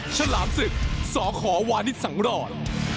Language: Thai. ฉลามศึกสขวานิสสังรอด